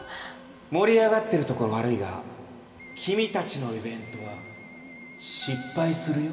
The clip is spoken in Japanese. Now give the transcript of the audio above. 盛り上がってるところ悪いが君たちのイベントは失敗するよ。